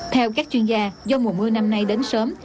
theo các chuyên gia do mùa mưa năm nay đến sớm